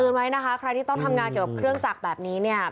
ไว้นะคะใครที่ต้องทำงานเกี่ยวกับเครื่องจักรแบบนี้เนี่ย